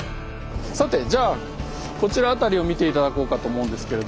さてじゃあこちら辺りを見て頂こうかと思うんですけれど。